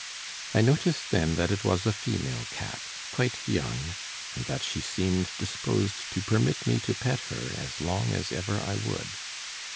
I noticed then that it was a female cat, quite young, and that she seemed disposed to permit me to pet her as long as ever I would.